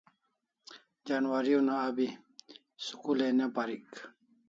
Janwari una a bit school ai ne parik